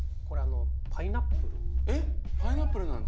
これパイナップル。